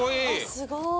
すごい。